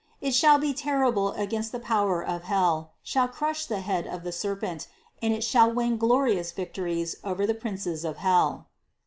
It shall be terrible against the power of hell, it shall crush the head of the serpent and it shall win glorious victories over the princes of hell."